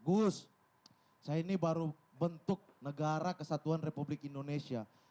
gus saya ini baru bentuk negara kesatuan republik indonesia